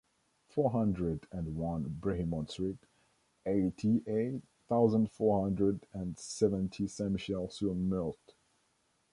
Four hundred and one Brehimont Street, eighty-eight thousand four hundred and seventy Saint-Michel-sur-Meurthe.